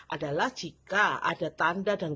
adalah jika ada tanda dan